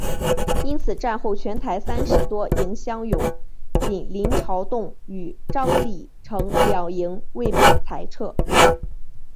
因此战后全台三十多营乡勇仅林朝栋与张李成两营未被裁撤。